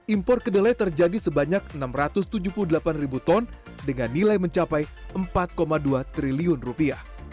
impor kedelai terjadi sebanyak enam ratus tujuh puluh delapan ribu ton dengan nilai mencapai empat dua triliun rupiah